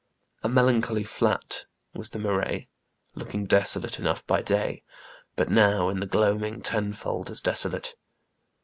A melancholy flat was the marais, looking desolate enough by day, but now, in the gloaming, tenfold as desolate.